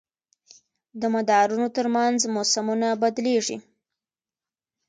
د مدارونو تر منځ موسمونه بدلېږي.